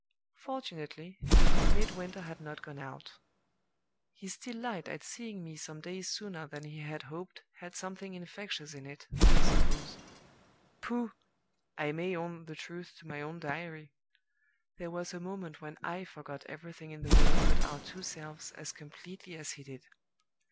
"Fortunately, Midwinter had not gone out. His delight at seeing me some days sooner than he had hoped had something infectious in it, I suppose. Pooh! I may own the truth to my own diary! There was a moment when I forgot everything in the world but our two selves as completely as he did.